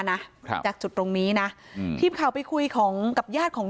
นะครับจากจุดตรงนี้นะอืมทีมข่าวไปคุยของกับญาติของ